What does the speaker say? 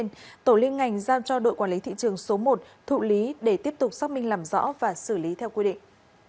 tổ liên ngành giao cho đội quản lý thị trường số một thụ lý để tiếp tục xác minh làm rõ và xử lý theo quy định